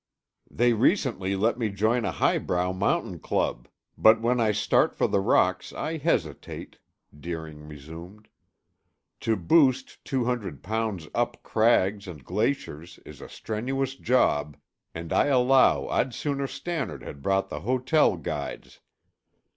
"They recently let me join a highbrow mountain club; but when I start for the rocks I hesitate," Deering resumed. "To boost two hundred pounds up crags and glaciers is a strenuous job, and I allow I'd sooner Stannard had brought the hotel guides.